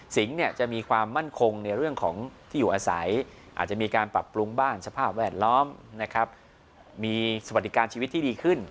จะมีความมั่นคงในเรื่องของที่อยู่อาศัยอาจจะมีการปรับปรุงบ้านสภาพแวดล้อมนะครับมีสวัสดิการชีวิตที่ดีขึ้น